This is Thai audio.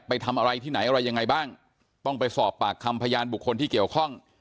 ไปทำอะไรที่ไหนอะไรยังไงบ้างต้องไปสอบปากคำพยานบุคคลที่เกี่ยวข้อง